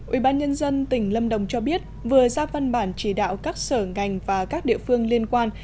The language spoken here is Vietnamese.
ủy ban nhân dân tỉnh lâm đồng cho biết vừa ra văn bản chỉ đạo các sở ngành và các địa phương liên quan